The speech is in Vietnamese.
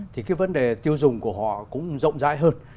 thì cái vấn đề tiêu dùng của họ cũng rộng rãi hơn